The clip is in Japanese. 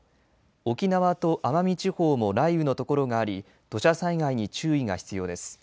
沖縄と奄美地方も雷雨の所があり土砂災害に注意が必要です。